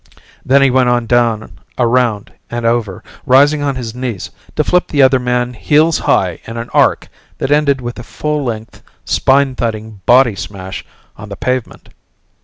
Then he went on down around and over, rising on his knees to flip the other man heels high in an arc that ended with a full length, spine thudding body smash on the pavement.